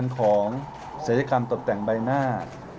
ของเศรษฐกรรมตรวจแต่งใบหน้า